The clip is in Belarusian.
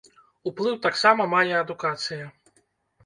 Уплыў таксама мае адукацыя.